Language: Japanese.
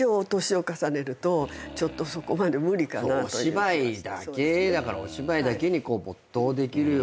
お芝居だけだからお芝居だけに没頭できるような。